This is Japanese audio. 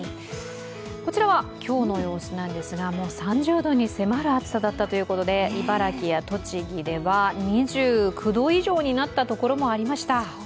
こちらは今日の様子なんですが、もう３０度に迫る暑さだったということで茨城や栃木では２９度以上になったところもありました。